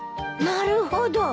なるほど。